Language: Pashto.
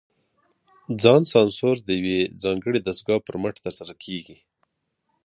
ځان سانسور د یوې ځانګړې دستګاه پر مټ ترسره کېږي.